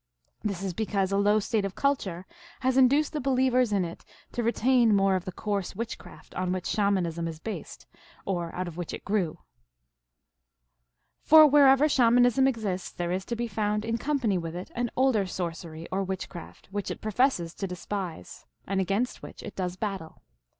This is because a low state of culture has induced the believers in it to retain more of the coarse witchcraft on which Shamanism was based, or out of which it grew. For wherever Shamanism exists, there is to be found, in company with it, an older sorcery, or witch craft, which it professes to despise, and against which it does battle.